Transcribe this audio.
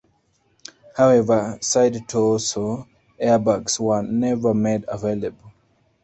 However, side torso airbags were never made available.